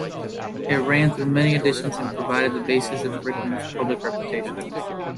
It ran through many editions and provided the basis of Rickman's public reputation.